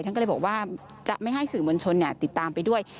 ท่านก็เลยบอกว่าจะไม่ให้สื่อมวลชนติดตามไปด้วย